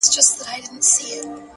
وموږ تې سپكاوى كاوه زموږ عزت يې اخيست،